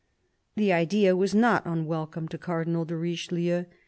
The idea was not unwelcome to Cardinal de Richelieu.